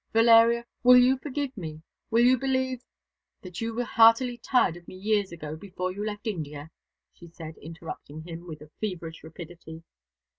Valeria, will you forgive me will you believe " "That you were heartily tired of me ages ago, before you left India," she said, interrupting him with a feverish rapidity.